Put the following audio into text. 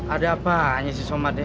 ada apa aja si soma deh